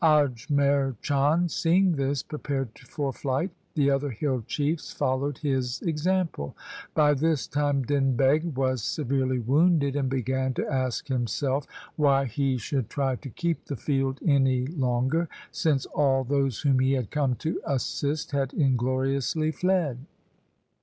Ajmer Chand, seeing this, prepared for flight. The other hill chiefs followed his example. By this time Din Beg was severely wounded, and began to ask himself why he should try to keep the field any longer, since all those whom he had come to assist had ingloriously fled.